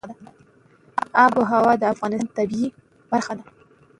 آب وهوا د افغانستان د طبیعت برخه ده.